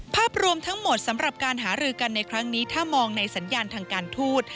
ภาพรวมทั้งหมดสำหรับการหารือกันในครั้งนี้ถ้ามองในสัญญาณทางการทูต